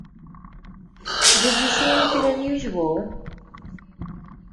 Did you see anything unusual?